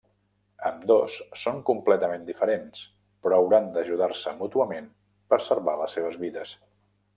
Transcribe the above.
Ambdós són completament diferents, però hauran d'ajudar-se mútuament per salvar les seves vides.